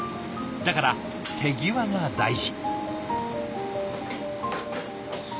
だから手際が大事。